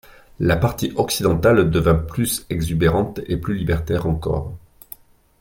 La partie occidentale devint plus exubérante et plus libertaire encore.